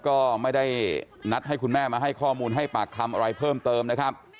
ก็ไม่ได้นัดให้คุณแม่มาให้ข้อมูลให้ปากคำอะไรเพิ่มเติมนะครับ